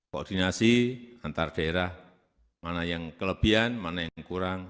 koordinasi antar daerah mana yang kelebihan mana yang kurang